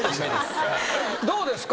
どうですか？